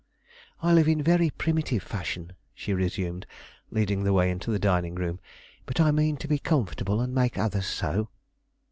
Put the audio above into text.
"I live in very primitive fashion," she resumed, leading the way into the dining room; "but I mean to be comfortable and make others so."